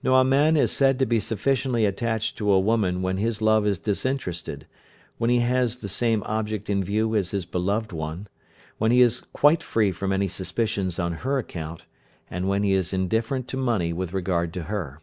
Now a man is said to be sufficiently attached to a woman when his love is disinterested; when he has the same object in view as his beloved one; when he is quite free from any suspicions on her account; and when he is indifferent to money with regard to her.